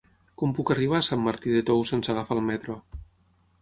Com puc arribar a Sant Martí de Tous sense agafar el metro?